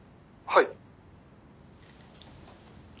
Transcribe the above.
「はい」